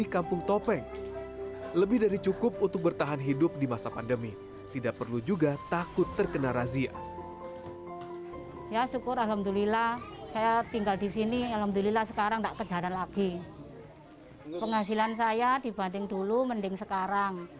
kampung topeng jawa timur